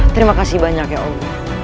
terima kasih banyak ya allah